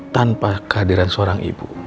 tanpa kehadiran seorang ibu